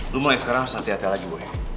lo mulai sekarang harus hati hati lagi boy